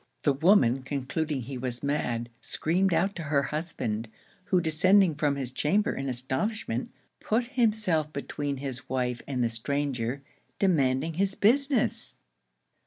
The woman concluding he was mad, screamed out to her husband, who descending from his chamber in astonishment, put himself between his wife and the stranger, demanding his business?